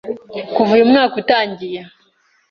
kuva uyu mwaka utangiye